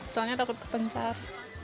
soalnya takut kepencar